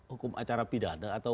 hukum acara pidana